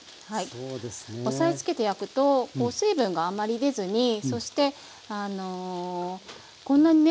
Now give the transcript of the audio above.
押さえつけて焼くと水分があんまり出ずにそしてこんなにね